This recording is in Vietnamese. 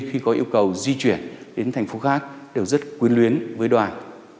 khi có yêu cầu di chuyển đến thành phố khác đều rất quyến luyến với đoàn